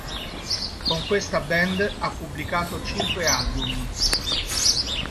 Con questa band ha pubblicato cinque album.